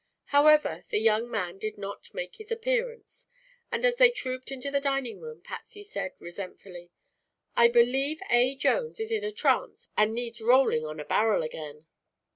However, the young man did not make his appearance, and as they trooped into the dining room Patsy said resentfully: "I believe A. Jones is in a trance and needs rolling on a barrel again."